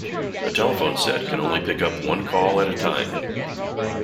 A telephone set can only pick up one call at one time.